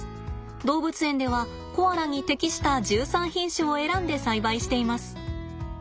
動物園ではコアラに適した１３品種を選んで栽培しています。